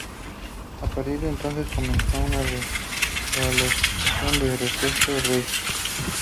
A partir de entonces, comenzó una revalorización del depuesto rey.